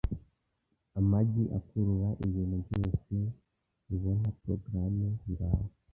Amagi akurura; ibintu byose bibona "programme" ngaho